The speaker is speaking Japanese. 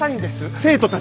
生徒たちに。